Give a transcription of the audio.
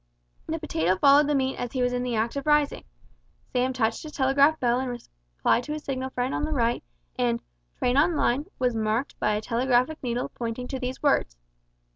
The potato followed the meat as he was in the act of rising. Sam touched his telegraphic bell in reply to his signal friend on the right, and "Train on line" was marked by a telegraphic needle pointing to these words.